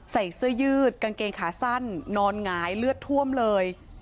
ใส่เสื้อยืดกางเกงขาสั้นนอนหงายเลือดท่วมเลย